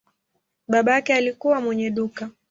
Babake alikuwa mwenye duka.